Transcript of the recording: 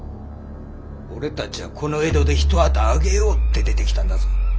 俺たちゃこの江戸で一旗揚げようって出てきたんだぞ。